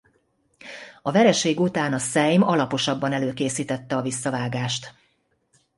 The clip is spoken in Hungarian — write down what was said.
A vereség után a Szejm alaposabban előkészítette a visszavágást.